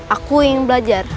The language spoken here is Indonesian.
aku ingin belajar